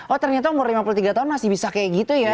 oh ternyata umur lima puluh tiga tahun masih bisa kayak gitu ya